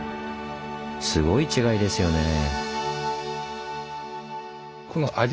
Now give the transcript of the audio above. すごい違いですよねぇ。